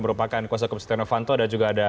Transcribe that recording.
merupakan kuasa hukum setia novanto dan juga ada